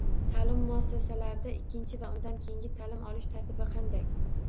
Ta’lim muassasalarida ikkinchi va undan keyingi ta’lim olish tartibi qanday?